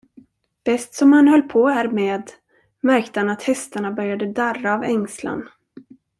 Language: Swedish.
Bäst som han höll på härmed märkte han att hästarna började darra av ängslan.